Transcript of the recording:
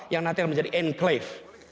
yang nanti akan menjadi enclave